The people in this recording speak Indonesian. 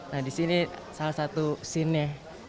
nah di sini salah satu scene nya